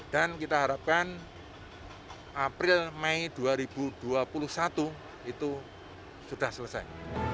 dan kita harapkan april may dua ribu dua puluh satu itu sudah selesai